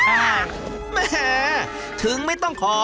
แหมถึงไม่ต้องขอ